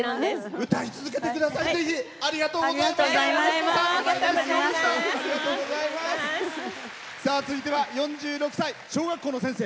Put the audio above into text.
歌い続けてください、ぜひ。続いては４６歳、小学校の先生。